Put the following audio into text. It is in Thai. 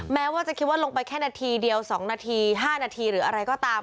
แม้ว่าจะคิดว่าลงไปแค่นาทีเดียว๒นาที๕นาทีหรืออะไรก็ตาม